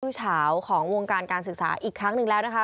เฉาของวงการการศึกษาอีกครั้งหนึ่งแล้วนะคะ